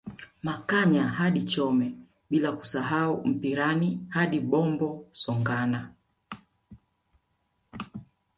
Makanya hadi Chome bila kusahau Mpirani hadi Bombo Songana